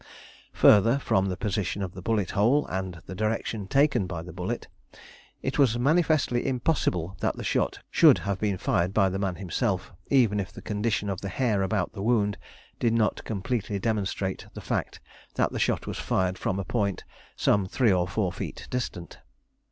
Further, from the position of the bullet hole and the direction taken by the bullet, it was manifestly impossible that the shot should have been fired by the man himself, even if the condition of the hair about the wound did not completely demonstrate the fact that the shot was fired from a point some three or four feet distant.